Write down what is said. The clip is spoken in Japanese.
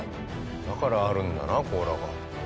だからあるんだな甲羅が。